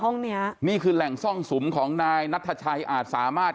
เนี้ยนี่คือแหล่งซ่องสุมของนายนัทชัยอาจสามารถ